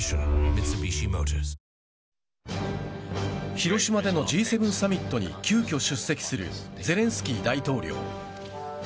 広島でのＧ７サミットに急きょ出席するゼレンスキー大統領。